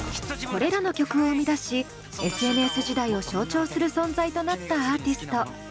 これらの曲を生み出しＳＮＳ時代を象徴する存在となったアーティスト。